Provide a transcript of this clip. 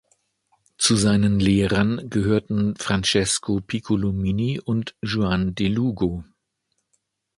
Zu seinen Lehrern gehörten Francesco Piccolomini und Juan de Lugo.